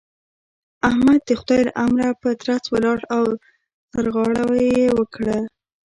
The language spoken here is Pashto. احمد د خدای له امره په ترڅ ولاړ او سرغړاوی يې وکړ.